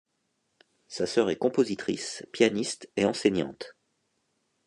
Sa sœur est compositrice, pianiste et enseignante.